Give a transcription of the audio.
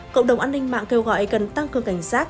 cộng đồng an ninh mạng kêu gọi cần tăng cường cảnh giác